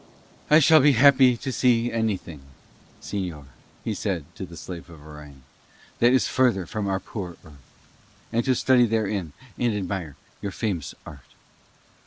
"I shall be happy to see anything, señor," he said to the Slave of Orion, "that is further from our poor Earth, and to study therein and admire your famous art."